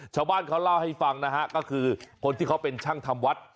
ชาวบ้านเขาเล่าให้ฟังนะฮะก็คือคนที่เขาเป็นช่างทำวัด